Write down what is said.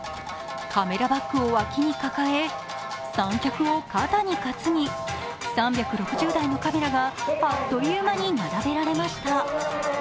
カメラバッグを脇に抱え、三脚を肩に担ぎ、３６０台のカメラがあっという間に並べられました。